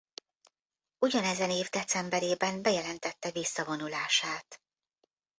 Ugyanezen év decemberében bejelentette visszavonulását.